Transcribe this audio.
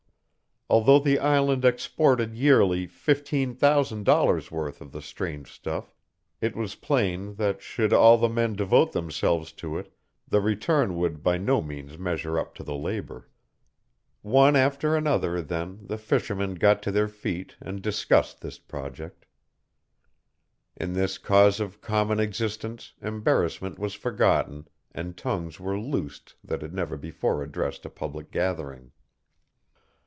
Although the island exported yearly fifteen thousand dollars' worth of the strange stuff, it was plain that should all the men devote themselves to it the return would by no means measure up to the labor. One after another, then, the fishermen got to their feet and discussed this project. In this cause of common existence embarrassment was forgotten and tongues were loosed that had never before addressed a public gathering.